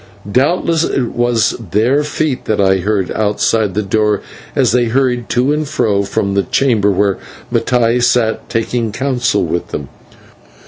Doubtless it was their feet that I heard outside the door as they hurried to and fro from the chamber where Mattai sat taking counsel with them.